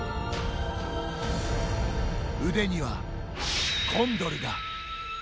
腕には、コンドルが。